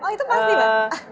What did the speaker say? oh itu pasti mbak